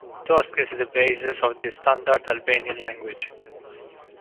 Tosk is the basis of the standard Albanian language.